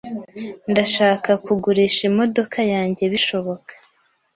Ndashaka kugurisha imodoka yanjye bishoboka.